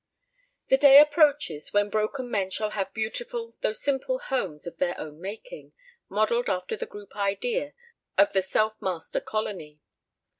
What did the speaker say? The day approaches when broken men shall have beautiful, though simple, homes of their own making, modeled after the group idea of The Self Master Colony.